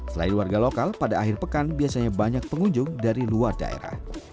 selain warga lokal pada akhir pekan biasanya banyak pengunjung dari luar daerah